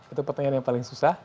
itu pertanyaan yang paling susah